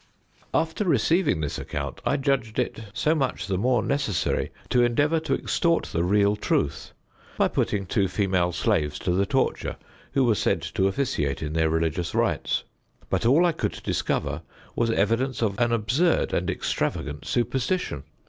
After receiving this account, I judged it so much the more necessary to endeavor to extort the real truth, by putting two female slaves to the torture, who were said to officiate in their religious rites: but all I could discover was evidence of an absurd and extravagant superstition.